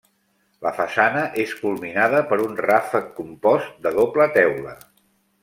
La façana és culminada per un ràfec compost de doble teula.